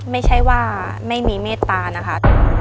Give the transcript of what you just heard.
ไม่ใช่ว่าไม่มีเมตตานะคะ